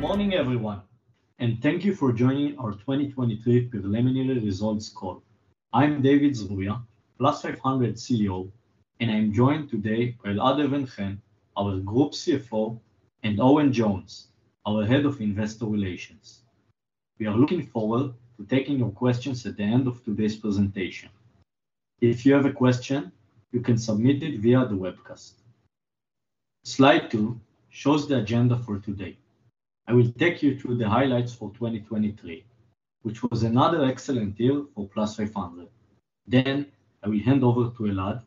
Good morning, everyone, and thank you for joining our 2023 preliminary results call. I'm David Zruia, Plus500 CEO, and I'm joined today by Elad Even-Chen, our Group CFO, and Owen Jones, our Head of Investor Relations. We are looking forward to taking your questions at the end of today's presentation. If you have a question, you can submit it via the webcast. Slide two shows the agenda for today. I will take you through the highlights for 2023, which was another excellent year for Plus500. Then I will hand over to Elad,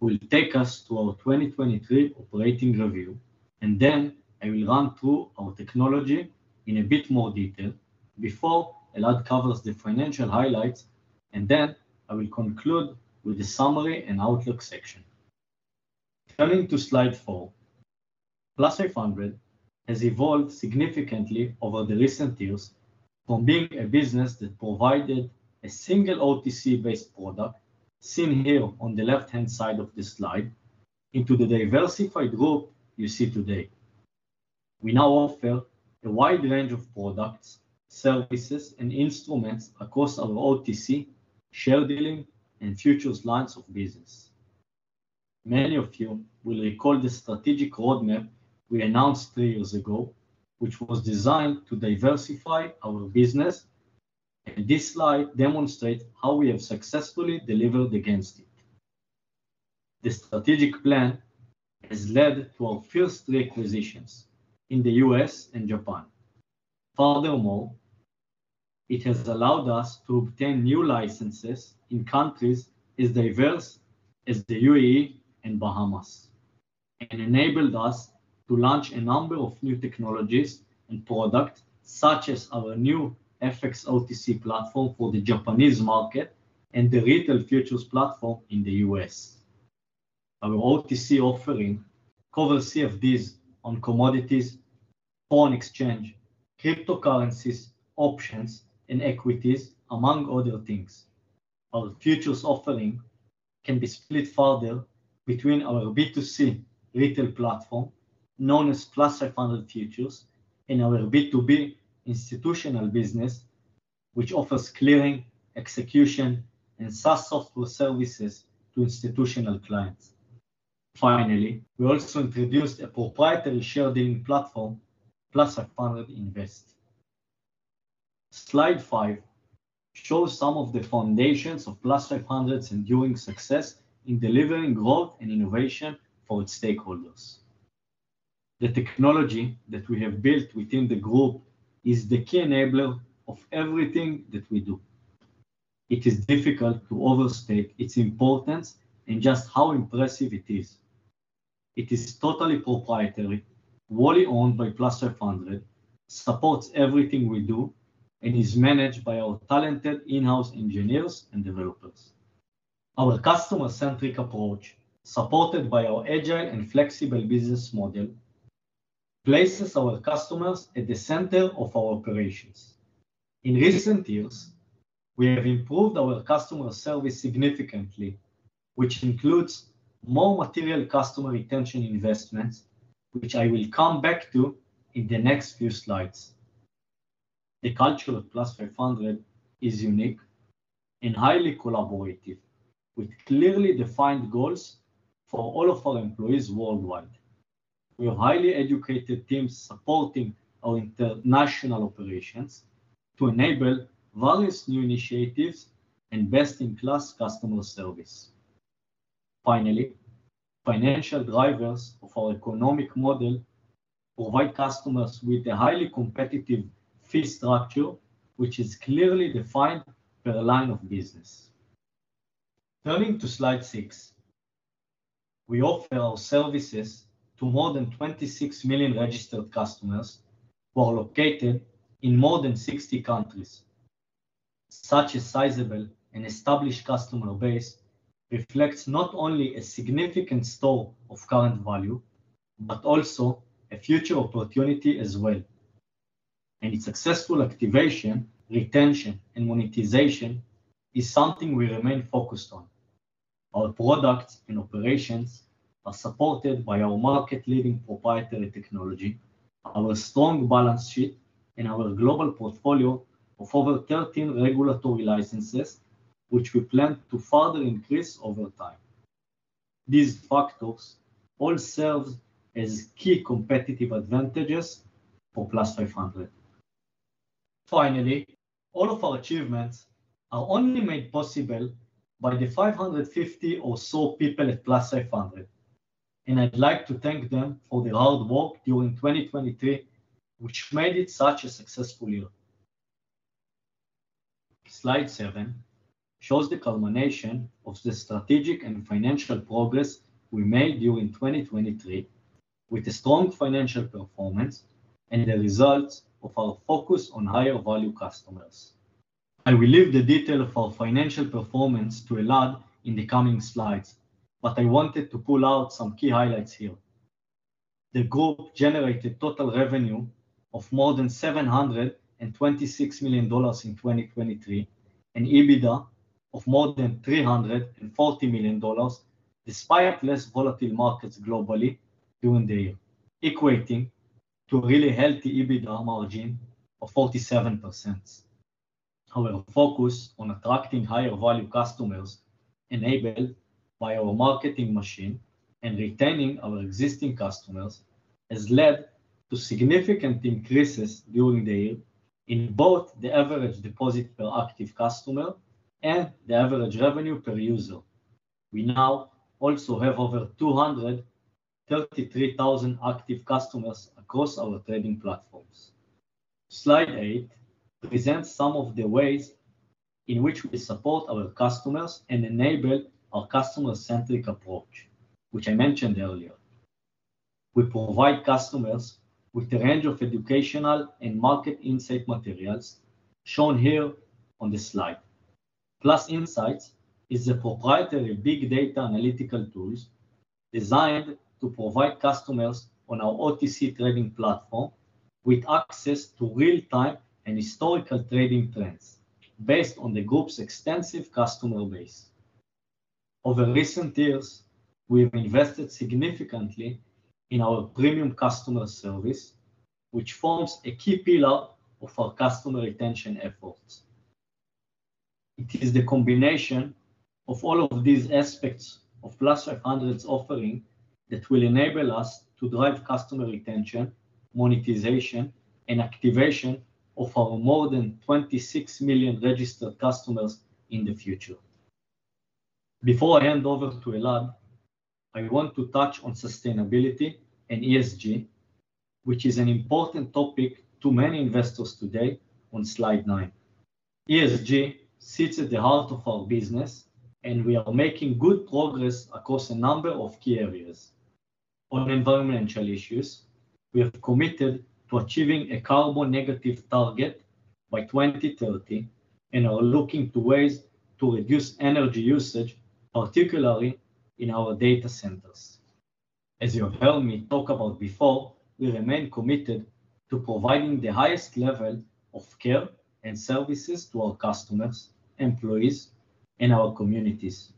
who will take us to our 2023 operating review, and then I will run through our technology in a bit more detail before Elad covers the financial highlights, and then I will conclude with the summary and outlook section. Turning to slide four, Plus500 has evolved significantly over the recent years from being a business that provided a single OTC-based product, seen here on the left-hand side of the slide, into the diversified group you see today. We now offer a wide range of products, services, and instruments across our OTC, share-dealing, and futures lines of business. Many of you will recall the strategic roadmap we announced 3 years ago, which was designed to diversify our business, and this slide demonstrates how we have successfully delivered against it. The strategic plan has led to our first three acquisitions in the U.S. and Japan. Furthermore, it has allowed us to obtain new licenses in countries as diverse as the UAE and Bahamas, and enabled us to launch a number of new technologies and products, such as our new FX OTC platform for the Japanese market and the retail futures platform in the U.S.. Our OTC offering covers CFDs on commodities, foreign exchange, cryptocurrencies, options, and equities, among other things. Our futures offering can be split further between our B2C retail platform, known as Plus500 Futures, and our B2B institutional business, which offers clearing, execution, and SaaS software services to institutional clients. Finally, we also introduced a proprietary share-dealing platform, Plus500 Invest. Slide five shows some of the foundations of Plus500's enduring success in delivering growth and innovation for its stakeholders. The technology that we have built within the group is the key enabler of everything that we do. It is difficult to overstate its importance and just how impressive it is. It is totally proprietary, wholly owned by Plus500, supports everything we do, and is managed by our talented in-house engineers and developers. Our customer-centric approach, supported by our agile and flexible business model, places our customers at the center of our operations. In recent years, we have improved our customer service significantly, which includes more material customer retention investments, which I will come back to in the next few slides. The culture of Plus500 is unique and highly collaborative, with clearly defined goals for all of our employees worldwide. We have highly educated teams supporting our international operations to enable various new initiatives and best-in-class customer service. Finally, financial drivers of our economic model provide customers with a highly competitive fee structure, which is clearly defined per line of business. Turning to slide six, we offer our services to more than 26 million registered customers who are located in more than 60 countries. Such a sizable and established customer base reflects not only a significant store of current value but also a future opportunity as well. Its successful activation, retention, and monetization is something we remain focused on. Our products and operations are supported by our market-leading proprietary technology, our strong balance sheet, and our global portfolio of over 13 regulatory licenses, which we plan to further increase over time. These factors all serve as key competitive advantages for Plus500. Finally, all of our achievements are only made possible by the 550 or so people at Plus500, and I'd like to thank them for the hard work during 2023, which made it such a successful year. Slide seven shows the culmination of the strategic and financial progress we made during 2023, with a strong financial performance and the results of our focus on higher-value customers. I will leave the detail of our financial performance to Elad in the coming slides, but I wanted to pull out some key highlights here. The group generated total revenue of more than $726 million in 2023 and EBITDA of more than $340 million, despite less volatile markets globally during the year, equating to a really healthy EBITDA margin of 47%. Our focus on attracting higher-value customers, enabled by our marketing machine and retaining our existing customers, has led to significant increases during the year in both the average deposit per active customer and the average revenue per user. We now also have over 233,000 active customers across our trading platforms. Slide eight presents some of the ways in which we support our customers and enable our customer-centric approach, which I mentioned earlier. We provide customers with a range of educational and market insight materials, shown here on the slide. PlusInsights is a proprietary big data analytical tool designed to provide customers on our OTC trading platform with access to real-time and historical trading trends based on the group's extensive customer base. Over recent years, we have invested significantly in our premium customer service, which forms a key pillar of our customer retention efforts. It is the combination of all of these aspects of Plus500's offering that will enable us to drive customer retention, monetization, and activation of our more than 26 million registered customers in the future. Before I hand over to Elad, I want to touch on sustainability and ESG, which is an important topic to many investors today on slide nine. ESG sits at the heart of our business, and we are making good progress across a number of key areas. On environmental issues, we have committed to achieving a carbon-negative target by 2030 and are looking to ways to reduce energy usage, particularly in our data centers. As you have heard me talk about before, we remain committed to providing the highest level of care and services to our customers, employees, and our communities.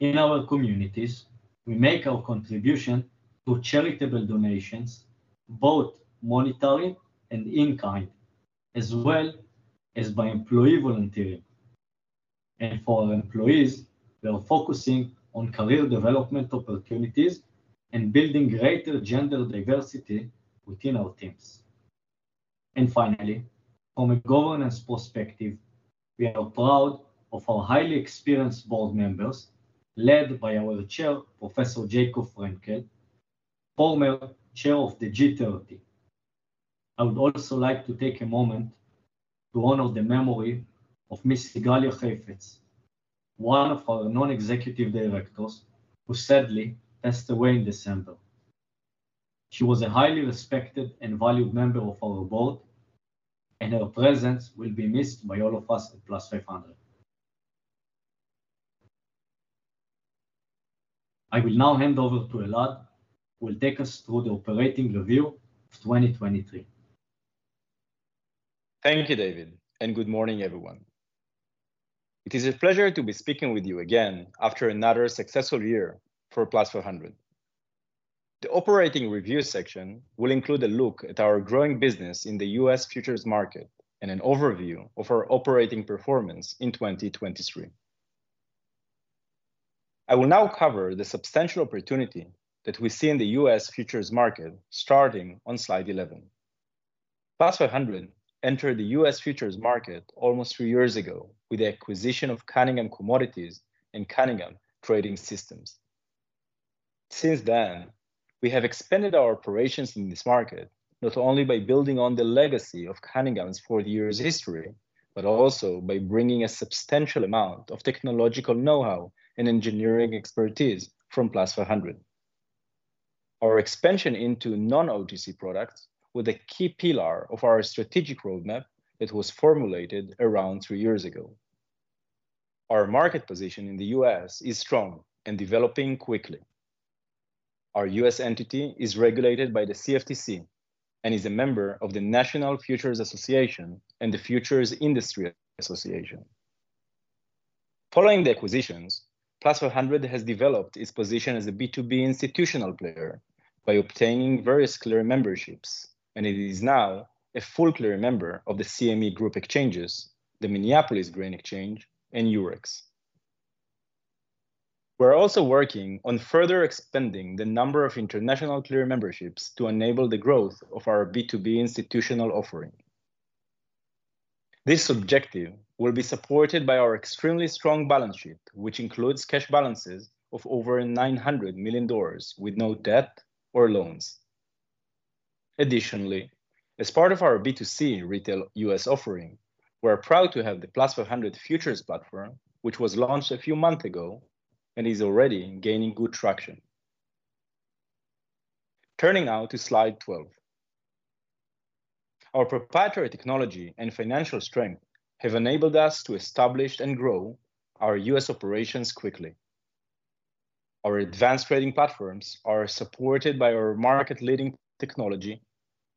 In our communities, we make our contribution through charitable donations, both monetary and in-kind, as well as by employee volunteering. For our employees, we are focusing on career development opportunities and building greater gender diversity within our teams. Finally, from a governance perspective, we are proud of our highly experienced board members, led by our Chair, Professor Jacob Frenkel, former Chair of the G30. I would also like to take a moment to honor the memory of Ms. Sigalia Heifetz, one of our non-executive directors who sadly passed away in December. She was a highly respected and valued member of our board, and her presence will be missed by all of us at Plus500. I will now hand over to Elad, who will take us through the operating review of 2023. Thank you, David, and good morning, everyone. It is a pleasure to be speaking with you again after another successful year for Plus500. The operating review section will include a look at our growing business in the U.S. futures market and an overview of our operating performance in 2023. I will now cover the substantial opportunity that we see in the U.S. futures market starting on slide 11. Plus500 entered the US futures market almost three years ago with the acquisition of Cunningham Commodities and Cunningham Trading Systems. Since then, we have expanded our operations in this market not only by building on the legacy of Cunningham's four years' history but also by bringing a substantial amount of technological know-how and engineering expertise from Plus500. Our expansion into non-OTC products was a key pillar of our strategic roadmap that was formulated around three years ago. Our market position in the U.S. is strong and developing quickly. Our U.S. entity is regulated by the CFTC and is a member of the National Futures Association and the Futures Industry Association. Following the acquisitions, Plus500 has developed its position as a B2B institutional player by obtaining various clearing memberships, and it is now a full clearing member of the CME Group exchanges, the Minneapolis Grain Exchange, and Eurex. We are also working on further expanding the number of international clearing memberships to enable the growth of our B2B institutional offering. This objective will be supported by our extremely strong balance sheet, which includes cash balances of over $900 million with no debt or loans. Additionally, as part of our B2C retail U.S. offering, we are proud to have the Plus500 Futures platform, which was launched a few months ago and is already gaining good traction. Turning now to slide 12, our proprietary technology and financial strength have enabled us to establish and grow our U.S. operations quickly. Our advanced trading platforms are supported by our market-leading technology,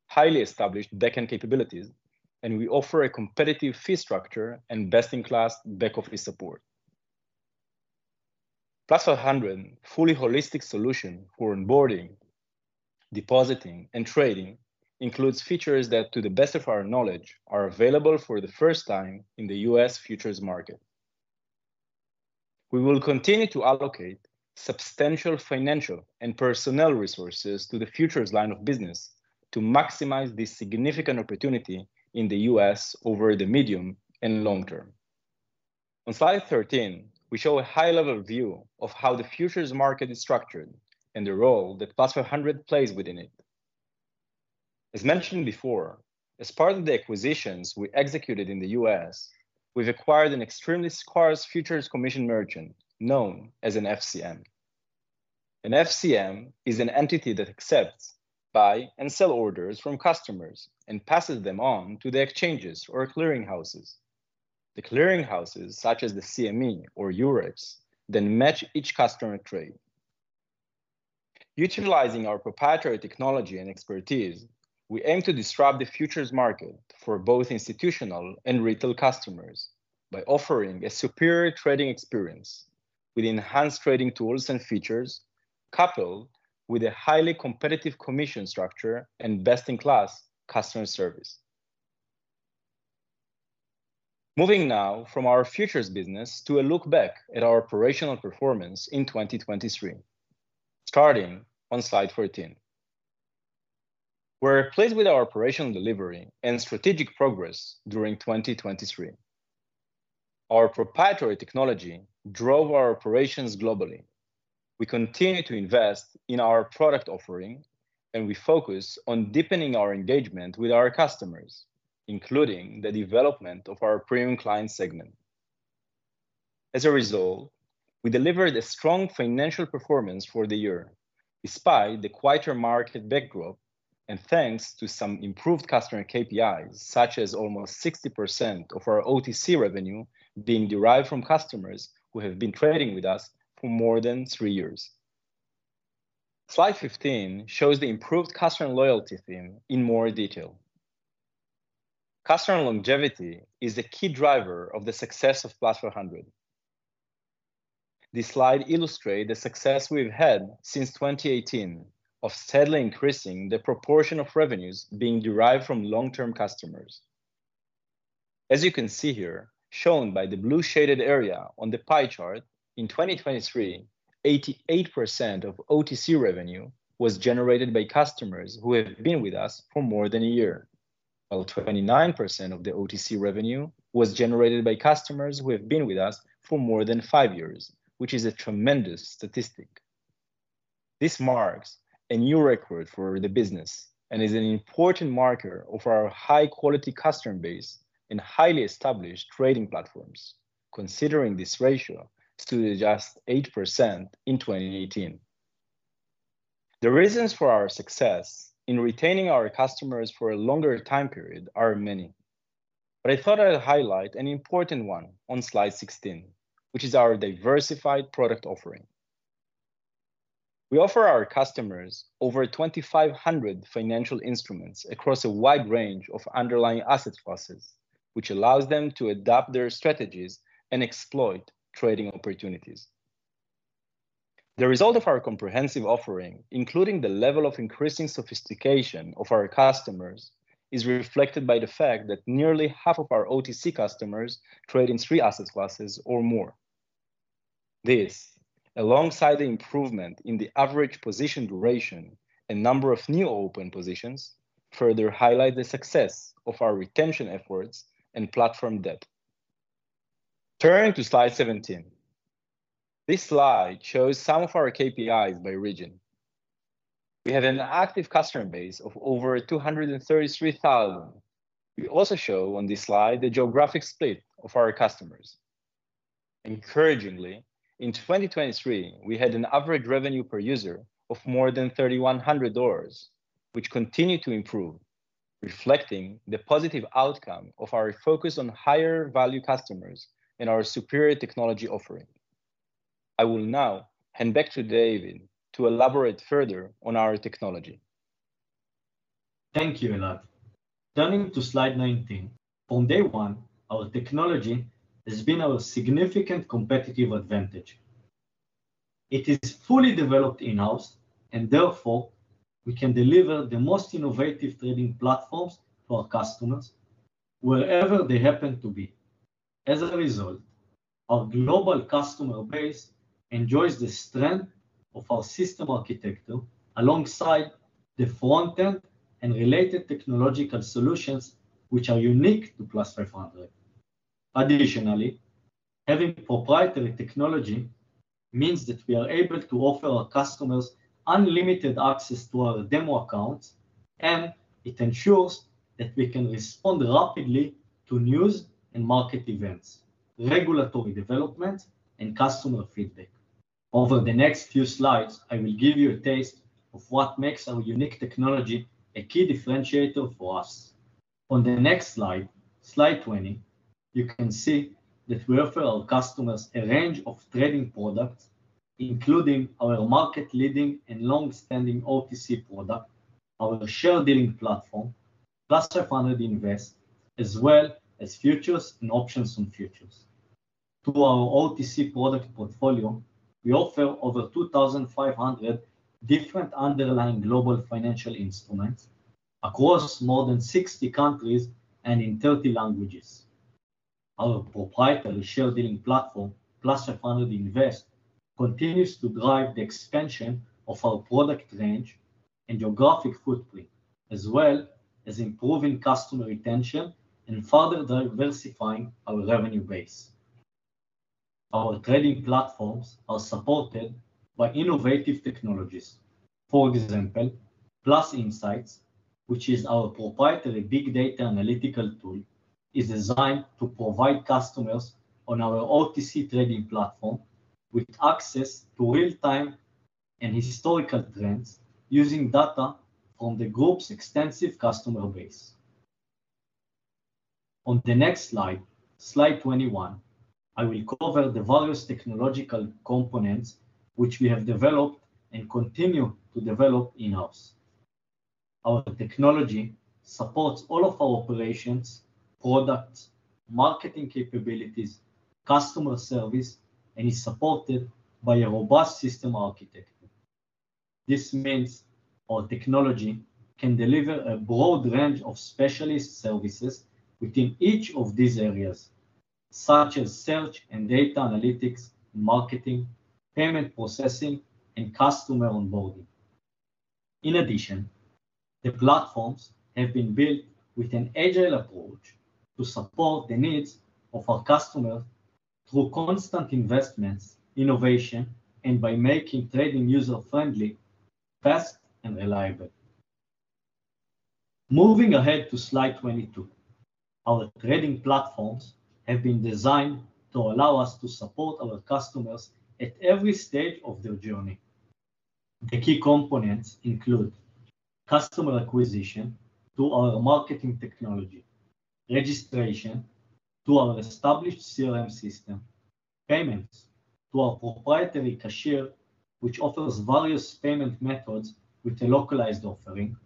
highly established backend capabilities, and we offer a competitive fee structure and best-in-class back-office support. Plus500, a fully holistic solution for onboarding, depositing, and trading, includes features that, to the best of our knowledge, are available for the first time in the U.S. futures market. We will continue to allocate substantial financial and personnel resources to the futures line of business to maximize this significant opportunity in the U.S. over the medium and long term. On slide 13, we show a high-level view of how the futures market is structured and the role that Plus500 plays within it. As mentioned before, as part of the acquisitions we executed in the U.S., we've acquired an extremely scarce futures commission merchant known as an FCM. An FCM is an entity that accepts, buys, and sells orders from customers and passes them on to the exchanges or clearinghouses. The clearinghouses, such as the CME or Eurex, then match each customer trade. Utilizing our proprietary technology and expertise, we aim to disrupt the futures market for both institutional and retail customers by offering a superior trading experience with enhanced trading tools and features coupled with a highly competitive commission structure and best-in-class customer service. Moving now from our futures business to a look back at our operational performance in 2023, starting on slide 14, we're pleased with our operational delivery and strategic progress during 2023. Our proprietary technology drove our operations globally. We continue to invest in our product offering, and we focus on deepening our engagement with our customers, including the development of our premium client segment. As a result, we delivered a strong financial performance for the year despite the quieter market backdrop and thanks to some improved customer KPIs, such as almost 60% of our OTC revenue being derived from customers who have been trading with us for more than three years. Slide 15 shows the improved customer loyalty theme in more detail. Customer longevity is a key driver of the success of Plus500. This slide illustrates the success we've had since 2018 of steadily increasing the proportion of revenues being derived from long-term customers. As you can see here, shown by the blue-shaded area on the pie chart, in 2023, 88% of OTC revenue was generated by customers who have been with us for more than a year, while 29% of the OTC revenue was generated by customers who have been with us for more than 5 years, which is a tremendous statistic. This marks a new record for the business and is an important marker of our high-quality customer base and highly established trading platforms, considering this ratio to the just 8% in 2018. The reasons for our success in retaining our customers for a longer time period are many, but I thought I'd highlight an important one on slide 16, which is our diversified product offering. We offer our customers over 2,500 financial instruments across a wide range of underlying asset classes, which allows them to adapt their strategies and exploit trading opportunities. The result of our comprehensive offering, including the level of increasing sophistication of our customers, is reflected by the fact that nearly half of our OTC customers trade in three asset classes or more. This, alongside the improvement in the average position duration and number of new open positions, further highlights the success of our retention efforts and platform depth. Turning to slide 17, this slide shows some of our KPIs by region. We have an active customer base of over 233,000. We also show on this slide the geographic split of our customers. Encouragingly, in 2023, we had an average revenue per user of more than $3,100, which continued to improve, reflecting the positive outcome of our focus on higher-value customers and our superior technology offering. I will now hand back to David to elaborate further on our technology. Thank you, Elad. Turning to slide 19, on day one, our technology has been our significant competitive advantage. It is fully developed in-house, and therefore, we can deliver the most innovative trading platforms to our customers wherever they happen to be. As a result, our global customer base enjoys the strength of our system architecture alongside the front-end and related technological solutions, which are unique to Plus500. Additionally, having proprietary technology means that we are able to offer our customers unlimited access to our demo accounts, and it ensures that we can respond rapidly to news and market events, regulatory developments, and customer feedback. Over the next few slides, I will give you a taste of what makes our unique technology a key differentiator for us. On the next slide, slide 20, you can see that we offer our customers a range of trading products, including our market-leading and long-standing OTC product, our share-dealing platform, Plus500 Invest, as well as futures and options on futures. To our OTC product portfolio, we offer over 2,500 different underlying global financial instruments across more than 60 countries and in 30 languages. Our proprietary share-dealing platform, Plus500 Invest, continues to drive the expansion of our product range and geographic footprint, as well as improving customer retention and further diversifying our revenue base. Our trading platforms are supported by innovative technologies. For example, PlusInsights, which is our proprietary big data analytical tool, is designed to provide customers on our OTC trading platform with access to real-time and historical trends using data from the group's extensive customer base. On the next slide, slide 21, I will cover the various technological components which we have developed and continue to develop in-house. Our technology supports all of our operations, products, marketing capabilities, customer service, and is supported by a robust system architecture. This means our technology can deliver a broad range of specialist services within each of these areas, such as search and data analytics, marketing, payment processing, and customer onboarding. In addition, the platforms have been built with an agile approach to support the needs of our customers through constant investments, innovation, and by making trading user-friendly, fast, and reliable. Moving ahead to slide 22, our trading platforms have been designed to allow us to support our customers at every stage of their journey. The key components include customer acquisition through our marketing technology, registration through our established CRM system, payments through our proprietary cashier, which offers various payment methods with a localized offering,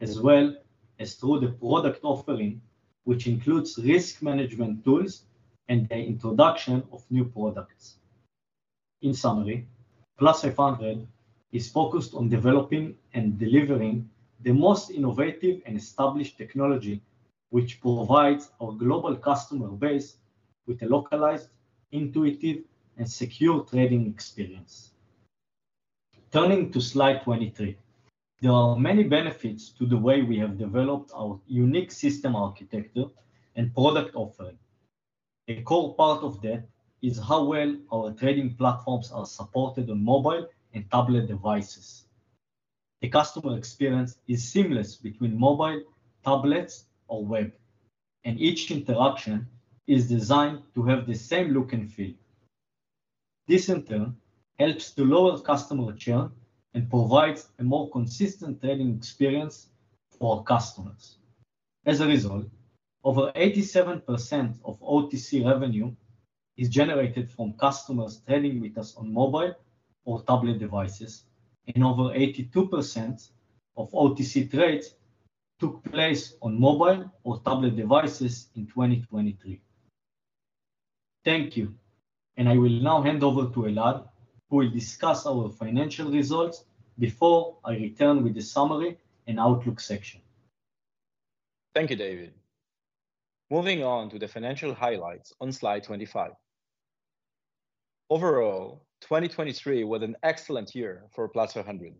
as well as through the product offering, which includes risk management tools and the introduction of new products. In summary, Plus500 is focused on developing and delivering the most innovative and established technology, which provides our global customer base with a localized, intuitive, and secure trading experience. Turning to slide 23, there are many benefits to the way we have developed our unique system architecture and product offering. A core part of that is how well our trading platforms are supported on mobile and tablet devices. The customer experience is seamless between mobile, tablets, or web, and each interaction is designed to have the same look and feel. This, in turn, helps to lower customer churn and provides a more consistent trading experience for our customers. As a result, over 87% of OTC revenue is generated from customers trading with us on mobile or tablet devices, and over 82% of OTC trades took place on mobile or tablet devices in 2023. Thank you, and I will now hand over to Elad, who will discuss our financial results before I return with the summary and outlook section. Thank you, David. Moving on to the financial highlights on slide 25, overall, 2023 was an excellent year for Plus500,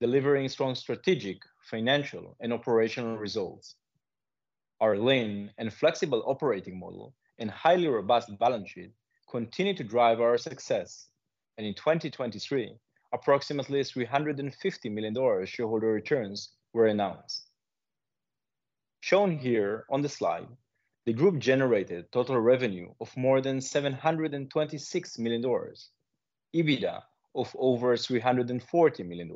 delivering strong strategic, financial, and operational results. Our lean and flexible operating model and highly robust balance sheet continue to drive our success, and in 2023, approximately $350 million shareholder returns were announced. Shown here on the slide, the group generated total revenue of more than $726 million, EBITDA of over $340 million,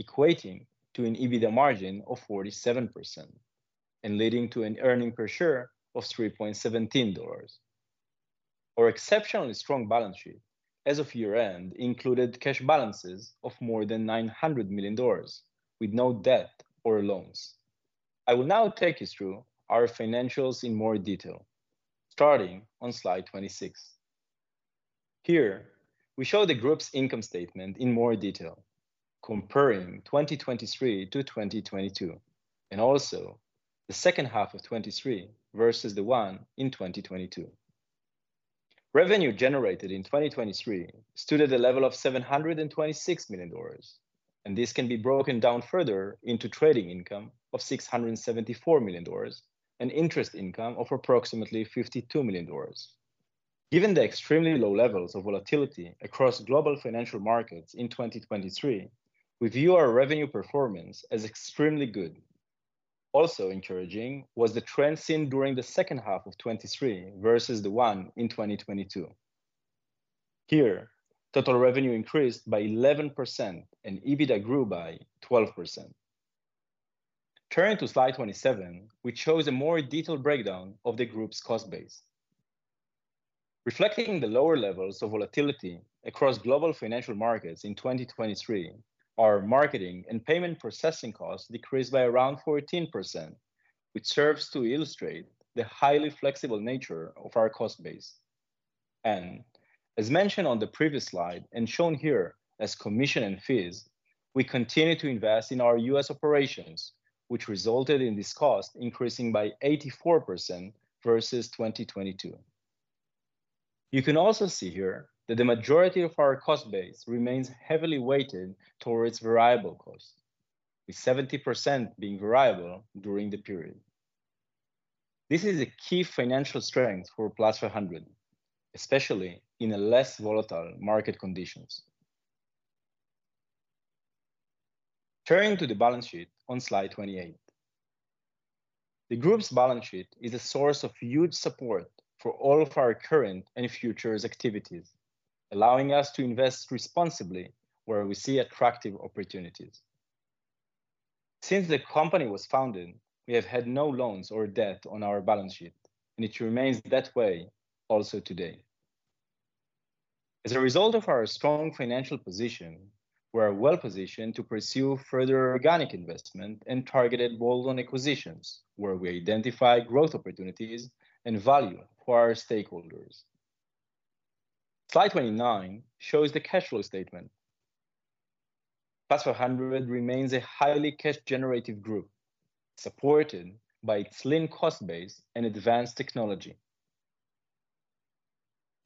equating to an EBITDA margin of 47% and leading to an earnings per share of $3.17. Our exceptionally strong balance sheet as of year-end included cash balances of more than $900 million with no debt or loans. I will now take you through our financials in more detail, starting on slide 26. Here, we show the group's income statement in more detail, comparing 2023 to 2022, and also the second half of 2023 versus the one in 2022. Revenue generated in 2023 stood at a level of $726 million, and this can be broken down further into trading income of $674 million and interest income of approximately $52 million. Given the extremely low levels of volatility across global financial markets in 2023, we view our revenue performance as extremely good. Also encouraging was the trend seen during the second half of 2023 versus the one in 2022. Here, total revenue increased by 11% and EBITDA grew by 12%. Turning to slide 27, we chose a more detailed breakdown of the group's cost base. Reflecting the lower levels of volatility across global financial markets in 2023, our marketing and payment processing costs decreased by around 14%, which serves to illustrate the highly flexible nature of our cost base. And as mentioned on the previous slide and shown here as commission and fees, we continue to invest in our U.S. operations, which resulted in this cost increasing by 84% versus 2022. You can also see here that the majority of our cost base remains heavily weighted towards variable costs, with 70% being variable during the period. This is a key financial strength for Plus500, especially in less volatile market conditions. Turning to the balance sheet on slide 28, the group's balance sheet is a source of huge support for all of our current and futures activities, allowing us to invest responsibly where we see attractive opportunities. Since the company was founded, we have had no loans or debt on our balance sheet, and it remains that way also today. As a result of our strong financial position, we are well positioned to pursue further organic investment and targeted bolt-on acquisitions where we identify growth opportunities and value for our stakeholders. Slide 29 shows the cash flow statement. Plus500 remains a highly cash-generative group, supported by its lean cost base and advanced technology.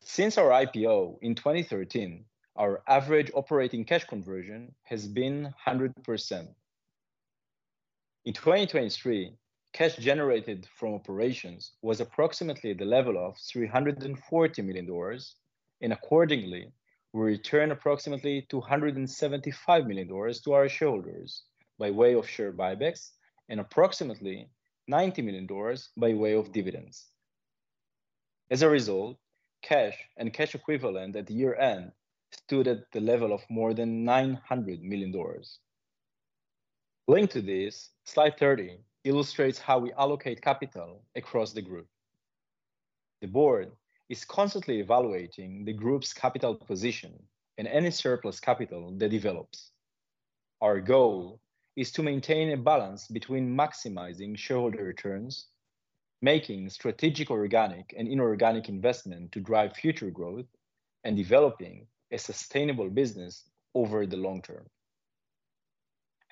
Since our IPO in 2013, our average operating cash conversion has been 100%. In 2023, cash generated from operations was approximately at the level of $340 million, and accordingly, we returned approximately $275 million to our shareholders by way of share buybacks and approximately $90 million by way of dividends. As a result, cash and cash equivalent at year-end stood at the level of more than $900 million. Linked to this, slide 30 illustrates how we allocate capital across the group. The board is constantly evaluating the group's capital position and any surplus capital that develops. Our goal is to maintain a balance between maximizing shareholder returns, making strategic organic and inorganic investment to drive future growth, and developing a sustainable business over the long term.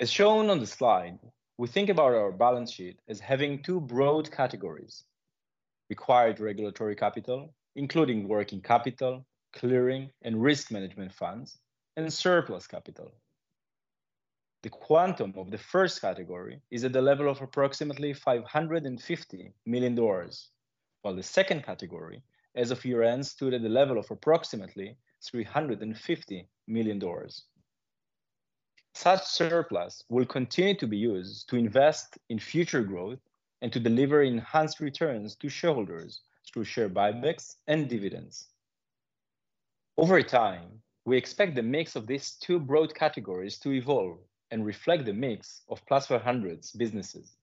As shown on the slide, we think about our balance sheet as having two broad categories: required regulatory capital, including working capital, clearing, and risk management funds, and surplus capital. The quantum of the first category is at the level of approximately $550 million, while the second category, as of year-end, stood at the level of approximately $350 million. Such surplus will continue to be used to invest in future growth and to deliver enhanced returns to shareholders through share buybacks and dividends. Over time, we expect the mix of these two broad categories to evolve and reflect the mix of Plus500's businesses.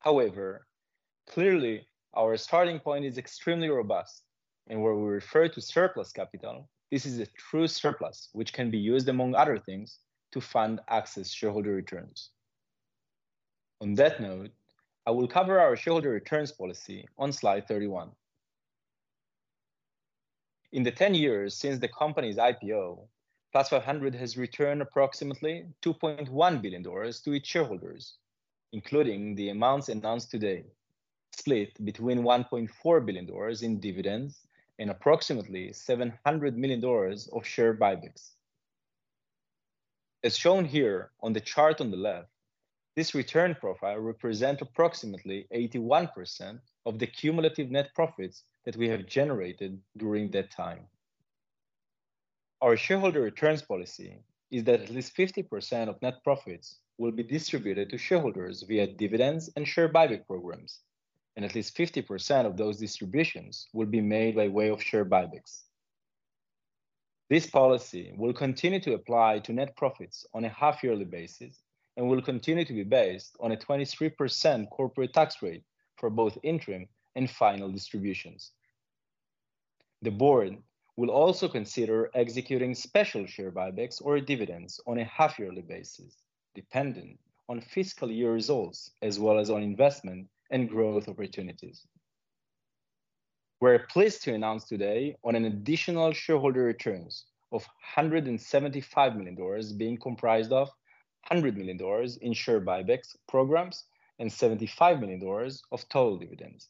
However, clearly, our starting point is extremely robust, and where we refer to surplus capital, this is a true surplus, which can be used, among other things, to fund access shareholder returns. On that note, I will cover our shareholder returns policy on Slide 31. In the 10 years since the company's IPO, Plus500 has returned approximately $2.1 billion to its shareholders, including the amounts announced today, split between $1.4 billion in dividends and approximately $700 million of share buybacks. As shown here on the chart on the left, this return profile represents approximately 81% of the cumulative net profits that we have generated during that time. Our shareholder returns policy is that at least 50% of net profits will be distributed to shareholders via dividends and share buyback programs, and at least 50% of those distributions will be made by way of share buybacks. This policy will continue to apply to net profits on a half-yearly basis and will continue to be based on a 23% corporate tax rate for both interim and final distributions. The board will also consider executing special share buybacks or dividends on a half-yearly basis, dependent on fiscal year results as well as on investment and growth opportunities. We're pleased to announce today an additional shareholder return of $175 million being comprised of $100 million in share buybacks programs and $75 million of total dividends.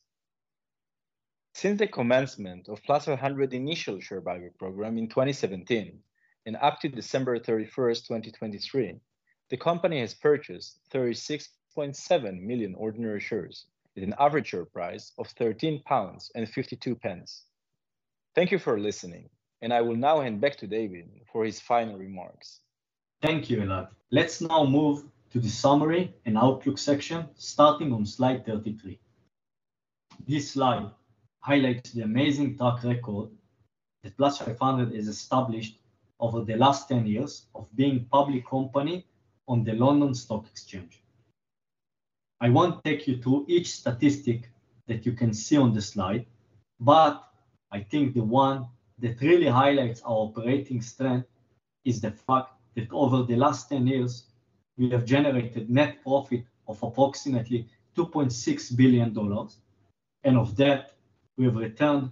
Since the commencement of Plus500's initial share buyback program in 2017 and up to December 31st, 2023, the company has purchased 36.7 million ordinary shares at an average share price of 13.52 pounds. Thank you for listening, and I will now hand back to David for his final remarks. Thank you, Elad. Let's now move to the summary and outlook section, starting on slide 33. This slide highlights the amazing track record that Plus500 has established over the last 10 years of being a public company on the London Stock Exchange. I won't take you through each statistic that you can see on the slide, but I think the one that really highlights our operating strength is the fact that over the last 10 years, we have generated net profit of approximately $2.6 billion, and of that, we have returned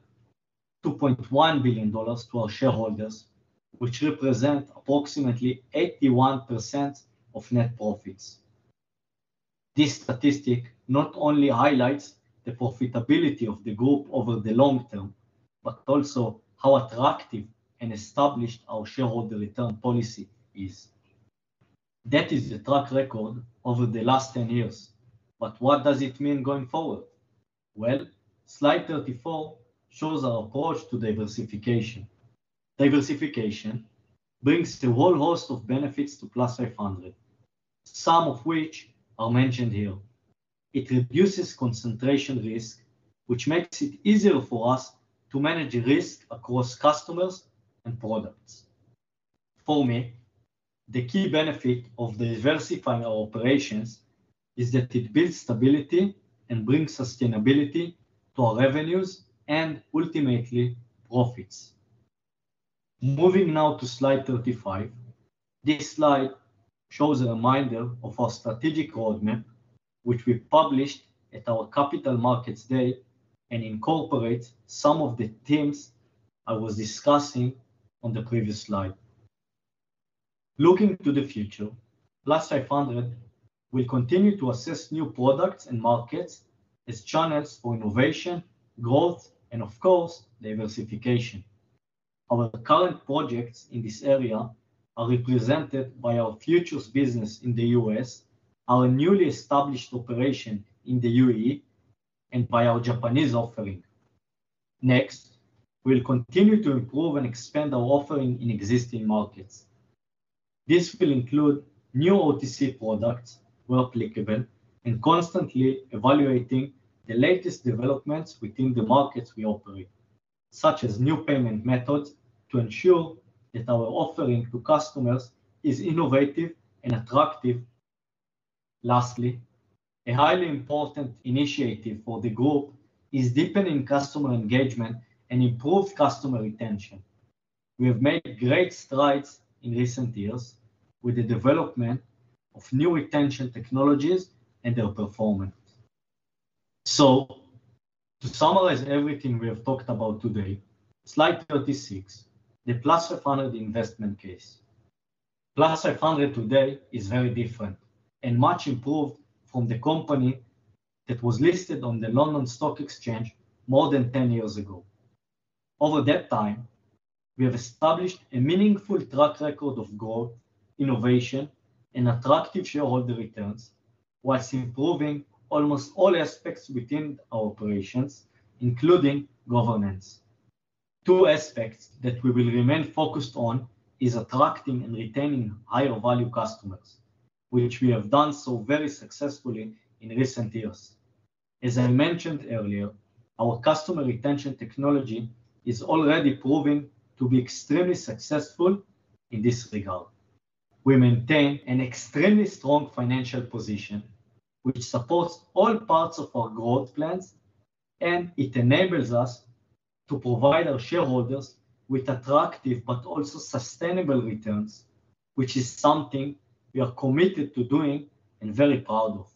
$2.1 billion to our shareholders, which represents approximately 81% of net profits. This statistic not only highlights the profitability of the group over the long term but also how attractive and established our shareholder return policy is. That is the track record over the last 10 years, but what does it mean going forward? Well, slide 34 shows our approach to diversification. Diversification brings a whole host of benefits to Plus500, some of which are mentioned here. It reduces concentration risk, which makes it easier for us to manage risk across customers and products. For me, the key benefit of diversifying our operations is that it builds stability and brings sustainability to our revenues and, ultimately, profits. Moving now to slide 35, this slide shows a reminder of our strategic roadmap, which we published at our Capital Markets Day and incorporates some of the themes I was discussing on the previous slide. Looking to the future, Plus500 will continue to assess new products and markets as channels for innovation, growth, and, of course, diversification. Our current projects in this area are represented by our futures business in the US, our newly established operation in the UAE, and by our Japanese offering. Next, we will continue to improve and expand our offering in existing markets. This will include new OTC products, where applicable, and constantly evaluating the latest developments within the markets we operate, such as new payment methods to ensure that our offering to customers is innovative and attractive. Lastly, a highly important initiative for the group is deepening customer engagement and improved customer retention. We have made great strides in recent years with the development of new retention technologies and their performance. So, to summarize everything we have talked about today, slide 36, the Plus500 investment case. Plus500 today is very different and much improved from the company that was listed on the London Stock Exchange more than 10 years ago. Over that time, we have established a meaningful track record of growth, innovation, and attractive shareholder returns while improving almost all aspects within our operations, including governance. Two aspects that we will remain focused on are attracting and retaining higher-value customers, which we have done so very successfully in recent years. As I mentioned earlier, our customer retention technology is already proving to be extremely successful in this regard. We maintain an extremely strong financial position, which supports all parts of our growth plans, and it enables us to provide our shareholders with attractive but also sustainable returns, which is something we are committed to doing and very proud of.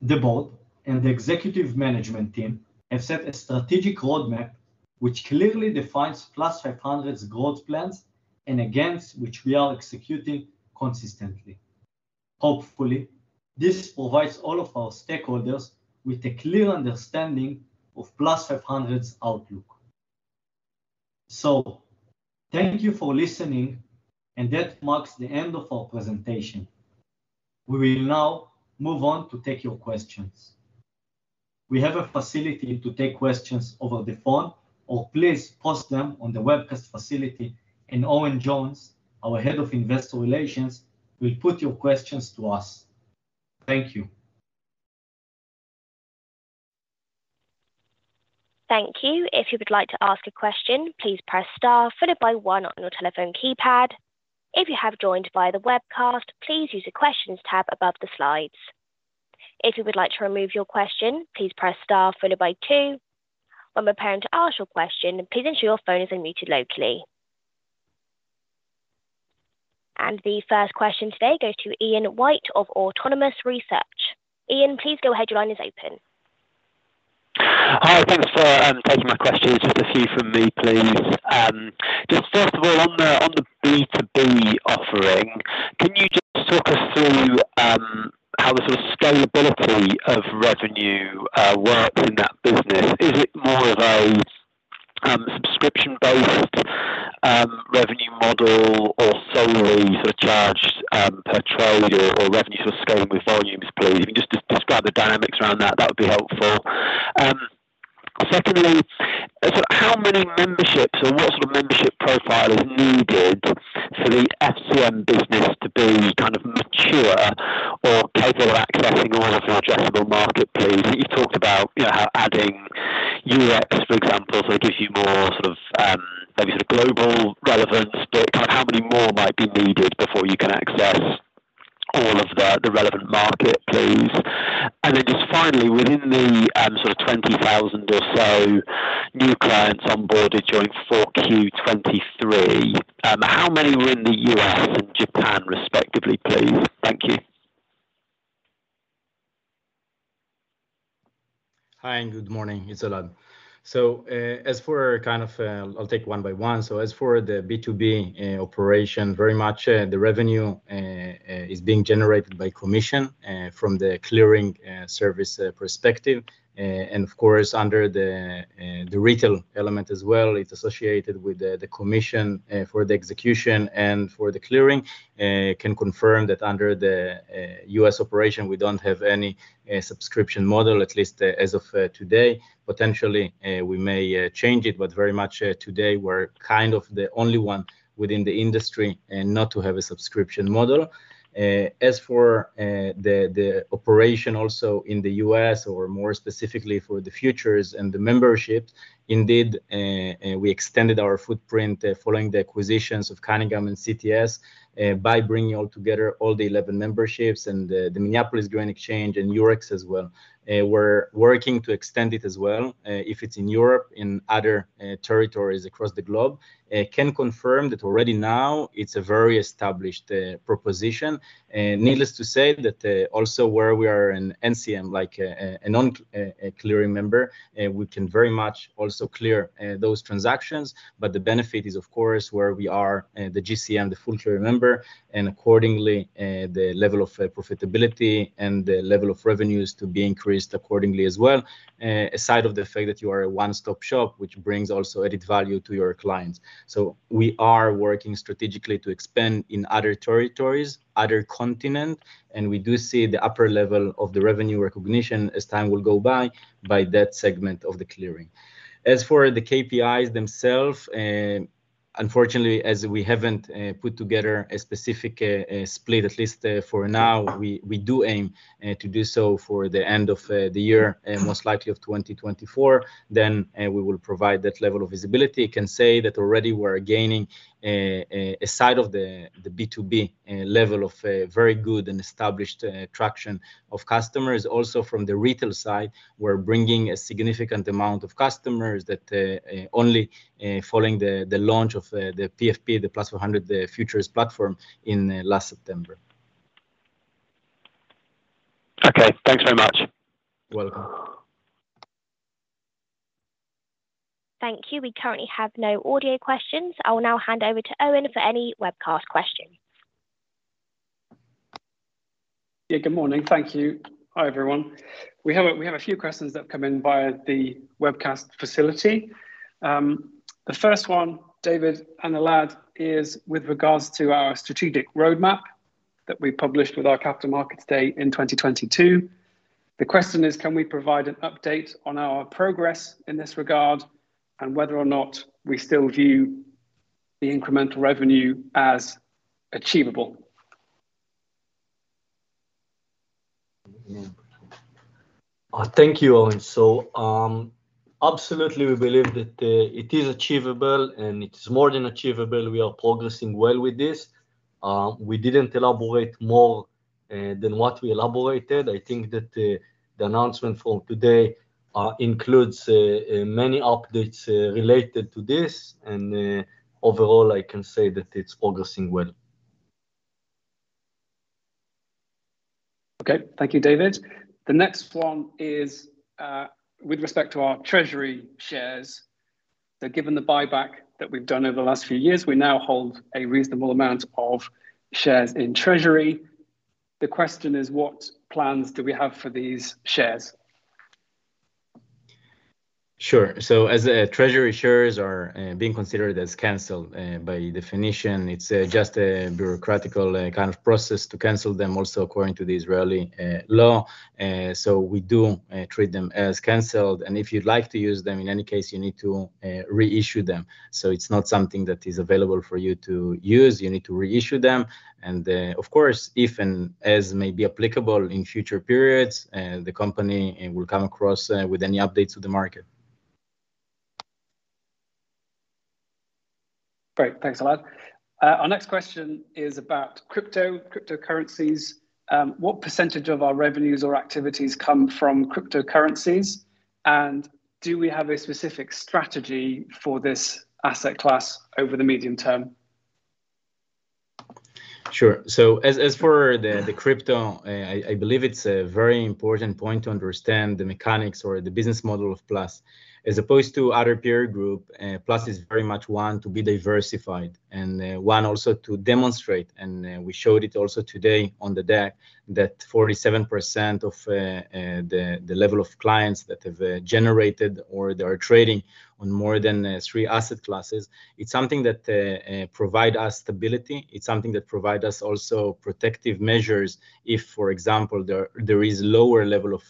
The board and the executive management team have set a strategic roadmap, which clearly defines Plus500's growth plans and aims, which we are executing consistently. Hopefully, this provides all of our stakeholders with a clear understanding of Plus500's outlook. So, thank you for listening, and that marks the end of our presentation. We will now move on to take your questions. We have a facility to take questions over the phone, or please post them on the webcast facility, and Owen Jones, our Head of Investor Relations, will put your questions to us. Thank you. Thank you. If you would like to ask a question, please press * followed by one on your telephone keypad. If you have joined via the webcast, please use the Questions tab above the slides. If you would like to remove your question, please press * followed by two. When preparing to ask your question, please ensure your phone is unmuted locally. The first question today goes to Ian White of Autonomous Research. Ian, please go ahead. Your line is open. Hi. Thanks for taking my questions. Just a few from me, please. Just first of all, on the B2B offering, can you just talk us through how the scalability of revenue works in that business? Is it more of a subscription-based revenue model or solely charged per trade or revenue scaling with volumes, please? If you can just describe the dynamics around that, that would be helpful. Secondly, how many memberships or what sort of membership profile is needed for the FCM business to be kind of mature or capable of accessing all of your addressable market, please? I think you've talked about how adding Eurex, for example, gives you more maybe global relevance, but how many more might be needed before you can access all of the relevant market, please? And then just finally, within the 20,000 or so new clients onboarded during 4Q23, how many were in the U.S. and Japan, respectively, please? Thank you. Hi. Good morning. It's Elad. As for kind of I'll take one by one. As for the B2B operation, very much the revenue is being generated by commission from the clearing service perspective. And of course, under the retail element as well, it's associated with the commission for the execution and for the clearing. I can confirm that under the US operation, we don't have any subscription model, at least as of today. Potentially, we may change it, but very much today, we're kind of the only one within the industry not to have a subscription model. As for the operation also in the US, or more specifically for the futures and the memberships, indeed, we extended our footprint following the acquisitions of Cunningham and CTS by bringing altogether all the 11 memberships. And the Minneapolis Grain Exchange and Eurex as well. We're working to extend it as well. If it's in Europe, in other territories across the globe, I can confirm that already now, it's a very established proposition. Needless to say that also where we are an NCM, like a non-clearing member, we can very much also clear those transactions. But the benefit is, of course, where we are the GCM, the general clearing member, and accordingly, the level of profitability and the level of revenues to be increased accordingly as well, aside of the fact that you are a one-stop shop, which brings also added value to your clients. So we are working strategically to expand in other territories, other continents, and we do see the upper level of the revenue recognition as time will go by by that segment of the clearing. As for the KPIs themselves, unfortunately, as we haven't put together a specific split, at least for now, we do aim to do so for the end of the year, most likely of 2024. Then we will provide that level of visibility. I can say that already we are gaining, aside from the B2B level, very good and established traction of customers. Also from the retail side, we're bringing a significant amount of customers only following the launch of the PFP, the Plus500 Futures platform, in last September. Okay. Thanks very much. Welcome. Thank you. We currently have no audio questions. I will now hand over to Owen for any webcast questions. Yeah. Good morning. Thank you. Hi, everyone. We have a few questions that have come in via the webcast facility. The first one, David and Elad, is with regards to our strategic roadmap that we published with our Capital Markets Day in 2022. The question is, can we provide an update on our progress in this regard and whether or not we still view the incremental revenue as achievable? Thank you, Owen. Absolutely, we believe that it is achievable, and it is more than achievable. We are progressing well with this. We didn't elaborate more than what we elaborated. I think that the announcement from today includes many updates related to this. Overall, I can say that it's progressing well. Okay. Thank you, David. The next one is with respect to our Treasury shares. So given the buyback that we've done over the last few years, we now hold a reasonable amount of shares in Treasury. The question is, what plans do we have for these shares? Sure. So as treasury shares are being considered as cancelled, by definition, it's just a bureaucratic kind of process to cancel them, also according to the Israeli law. So we do treat them as cancelled. And if you'd like to use them, in any case, you need to reissue them. So it's not something that is available for you to use. You need to reissue them. And of course, if and as may be applicable in future periods, the company will come across with any updates to the market. Great. Thanks, Elad. Our next question is about cryptocurrencies. What percentage of our revenues or activities come from cryptocurrencies? And do we have a specific strategy for this asset class over the medium term? Sure. So as for the crypto, I believe it's a very important point to understand the mechanics or the business model of Plus. As opposed to other peer groups, Plus is very much one to be diversified and one also to demonstrate. We showed it also today on the deck that 47% of the level of clients that have generated or that are trading on more than three asset classes; it's something that provides us stability. It's something that provides us also protective measures if, for example, there is a lower level of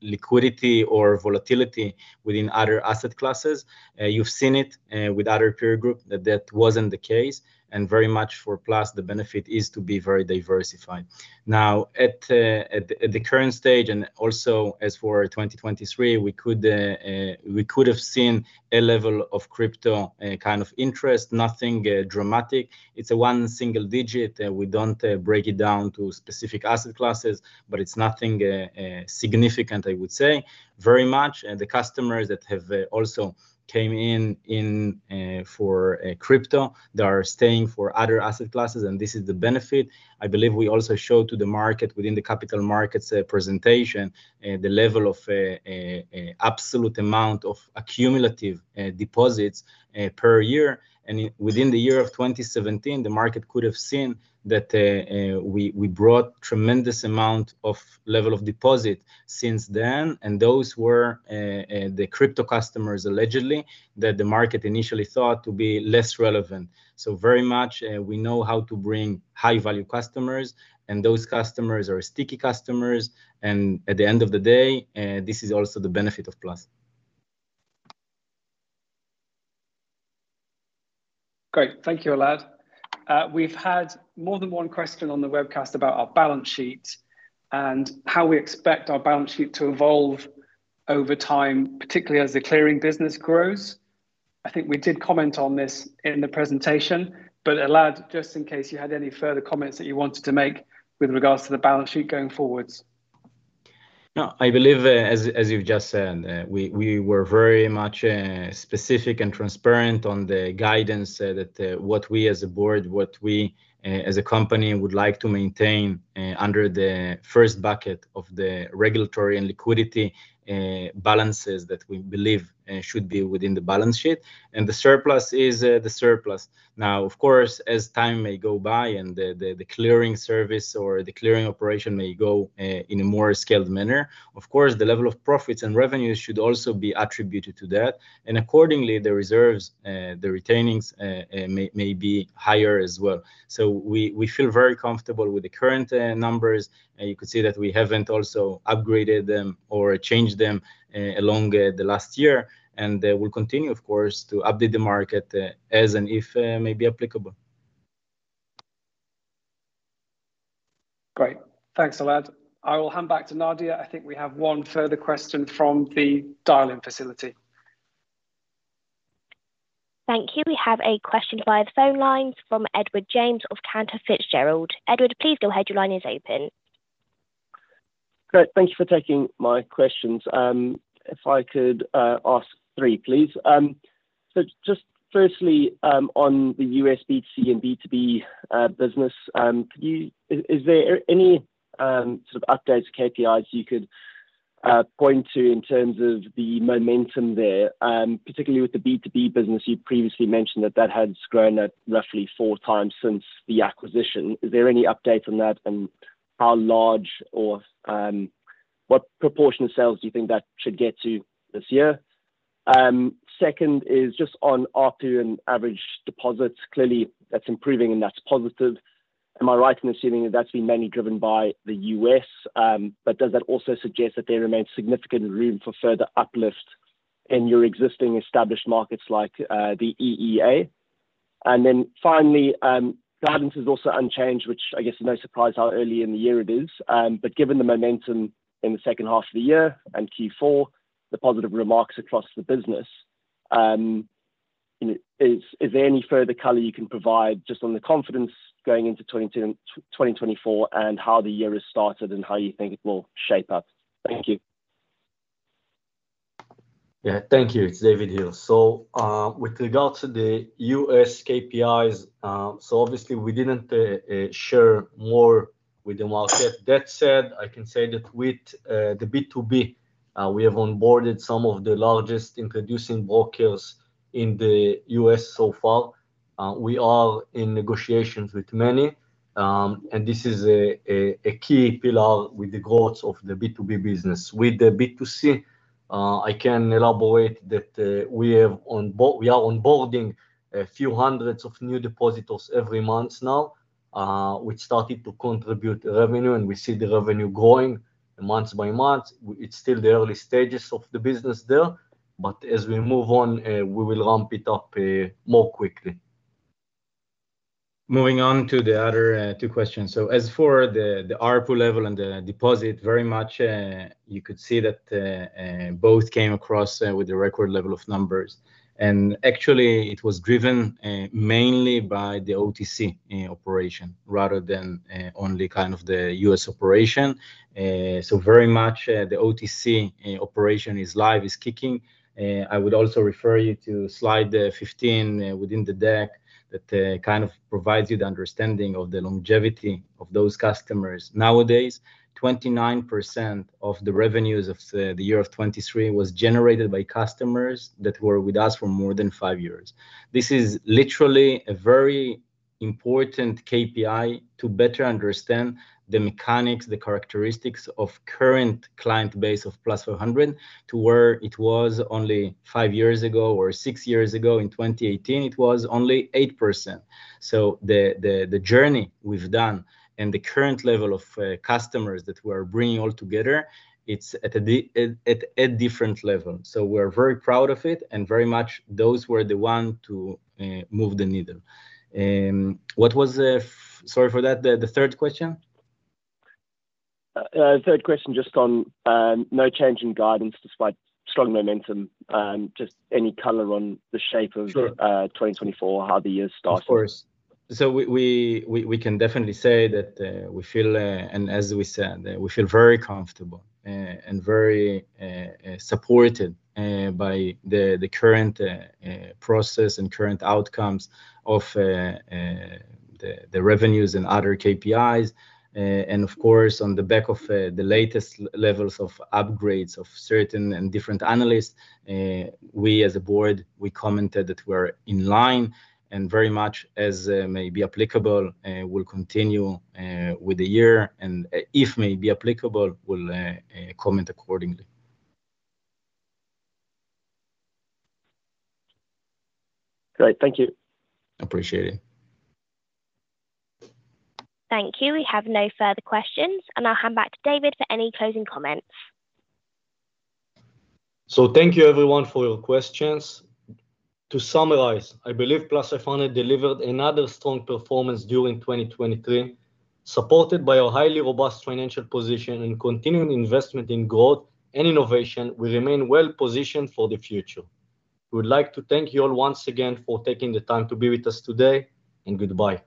liquidity or volatility within other asset classes. You've seen it with other peer groups that that wasn't the case. Very much for Plus, the benefit is to be very diversified. Now, at the current stage, and also as for 2023, we could have seen a level of crypto kind of interest, nothing dramatic. It's one single digit. We don't break it down to specific asset classes, but it's nothing significant, I would say. Very much, the customers that have also come in for crypto, they are staying for other asset classes. This is the benefit. I believe we also showed to the market within the Capital Markets presentation the level of absolute amount of accumulative deposits per year. Within the year of 2017, the market could have seen that we brought a tremendous amount of level of deposit since then. Those were the crypto customers, allegedly, that the market initially thought to be less relevant. So very much, we know how to bring high-value customers. Those customers are sticky customers. At the end of the day, this is also the benefit of Plus. Great. Thank you, Elad. We've had more than one question on the webcast about our balance sheet and how we expect our balance sheet to evolve over time, particularly as the clearing business grows. I think we did comment on this in the presentation. But Elad, just in case you had any further comments that you wanted to make with regards to the balance sheet going forward. Yeah. I believe, as you've just said, we were very much specific and transparent on the guidance that what we as a board, what we as a company would like to maintain under the first bucket of the regulatory and liquidity balances that we believe should be within the balance sheet. And the surplus is the surplus. Now, of course, as time may go by and the clearing service or the clearing operation may go in a more scaled manner, of course, the level of profits and revenues should also be attributed to that. And accordingly, the reserves, the retainings, may be higher as well. So we feel very comfortable with the current numbers. You could see that we haven't also upgraded them or changed them along the last year. And we'll continue, of course, to update the market as and if may be applicable. Great. Thanks, Elad. I will hand back to Nadia. I think we have one further question from the dial-in facility. Thank you. We have a question via the phone line from Edward James of Cantor Fitzgerald. Edward, please go ahead. Your line is open. Great. Thank you for taking my questions. If I could ask three, please. So just firstly, on the U.S. B2C and B2B business, is there any updates or KPIs you could point to in terms of the momentum there, particularly with the B2B business? You previously mentioned that that had grown at roughly 4x since the acquisition. Is there any update on that and how large or what proportion of sales do you think that should get to this year? Second is just on ARPU and average deposits. Clearly, that's improving, and that's positive. Am I right in assuming that that's been mainly driven by the U.S.? But does that also suggest that there remains significant room for further uplift in your existing established markets like the EEA? And then finally, guidance is also unchanged, which I guess is no surprise how early in the year it is. But given the momentum in the second half of the year and Q4, the positive remarks across the business, is there any further color you can provide just on the confidence going into 2024 and how the year has started and how you think it will shape up? Thank you. Yeah. Thank you. It's David Zruia. So with regards to the U.S. KPIs, so obviously, we didn't share more with the market. That said, I can say that with the B2B, we have onboarded some of the largest introducing brokers in the U.S. so far. We are in negotiations with many. And this is a key pillar with the growth of the B2B business. With the B2C, I can elaborate that we are onboarding a few hundreds of new depositors every month now, which started to contribute revenue. And we see the revenue growing month by month. It's still the early stages of the business there. But as we move on, we will ramp it up more quickly. Moving on to the other two questions. So as for the ARPU level and the deposit, very much, you could see that both came across with a record level of numbers. And actually, it was driven mainly by the OTC operation rather than only kind of the U.S. operation. So very much, the OTC operation is live, is kicking. I would also refer you to slide 15 within the deck that kind of provides you the understanding of the longevity of those customers. Nowadays, 29% of the revenues of the year of 2023 was generated by customers that were with us for more than five years. This is literally a very important KPI to better understand the mechanics, the characteristics of the current client base of Plus500 to where it was only five years ago or six years ago. In 2018, it was only 8%. So the journey we've done and the current level of customers that we are bringing altogether, it's at a different level. So we are very proud of it. And very much, those were the ones to move the needle. What was that? Sorry for that? The third question? Third question, just on no change in guidance despite strong momentum, just any color on the shape of 2024, how the year started? Of course. So we can definitely say that we feel and as we said, we feel very comfortable and very supported by the current process and current outcomes of the revenues and other KPIs. And of course, on the back of the latest levels of upgrades of certain and different analysts, we as a board, we commented that we are in line. And very much, as may be applicable, we'll continue with the year. And if may be applicable, we'll comment accordingly. Great. Thank you. Appreciate it. Thank you. We have no further questions. I'll hand back to David for any closing comments. Thank you, everyone, for your questions. To summarize, I believe Plus500 delivered another strong performance during 2023. Supported by our highly robust financial position and continuing investment in growth and innovation, we remain well-positioned for the future. We would like to thank you all once again for taking the time to be with us today. Goodbye.